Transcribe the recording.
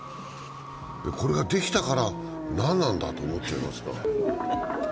これができたから何なんだと思っちゃう、はあ。